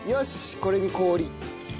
これに氷。